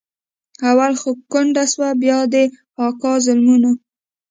اول خو کونډه سوه بيا د اکا ظلمونه.